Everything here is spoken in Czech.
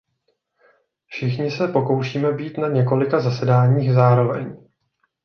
Všichni se pokoušíme být na několika zasedáních zároveň.